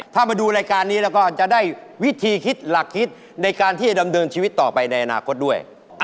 ถ้ามาดูรายการนี้แล้วก็จะได้วิธีคิดหลักคิดในการที่จะดำเนินชีวิตต่อไปในอนาคตด้วย